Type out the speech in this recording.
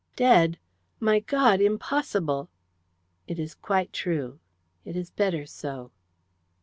"Dead? My God! Impossible!" "It is quite true. It is better so."